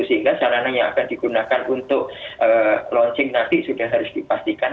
sehingga sarana yang akan digunakan untuk launching nanti sudah harus dipastikan